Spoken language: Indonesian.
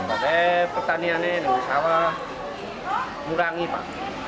karena petanian ini sawah murangi pak